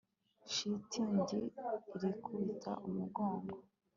shitingi irikubita umugongo